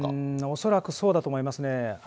恐らくそうだと思いますね。